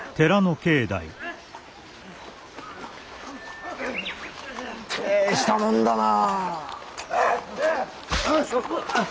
大したもんだな。